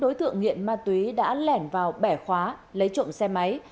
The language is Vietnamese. đối tượng nghiện ma túy đã lẻn vào bẻ khóa lấy trộm xe máy